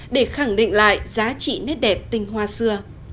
để khẳng định lại giá trị nét đẹp tinh hoa xưa